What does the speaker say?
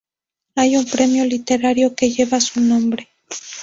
Hay un premio literario que lleva su nombre.